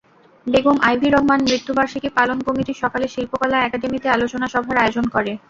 বেগম আইভি রহমান মৃত্যুবার্ষিকী পালন কমিটি সকালে শিল্পকলা একাডেমিতে আলোচনা সভার আয়োজন করে।